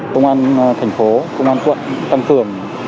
công an thành phố công an quận tăng cường